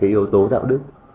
điều tố đạo đức